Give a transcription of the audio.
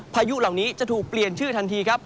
พายุเหล่านี้จะถูกเปลี่ยนชื่อทันทีครับ